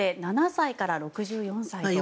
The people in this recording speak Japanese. ７歳から６４歳と。